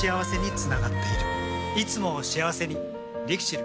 いつもを幸せにＬＩＸＩＬ。